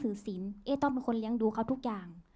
สินเอ๊ต้องเป็นคนเลี้ยงดูเขาทุกอย่าง